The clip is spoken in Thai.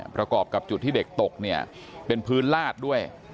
ประกอบกับจุดที่เด็กตกเนี่ยเป็นพื้นลาดด้วย